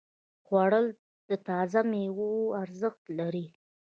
خوړل د تازه ميوو ارزښت لري